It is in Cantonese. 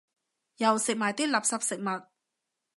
又食埋啲垃圾食物